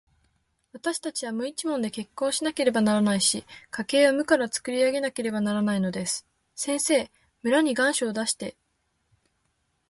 わたしたちは無一文で結婚しなければならないし、家計を無からつくり上げなければならないのです。先生、村に願書を出して、